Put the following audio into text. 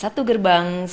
satu gerbang sejuta per jam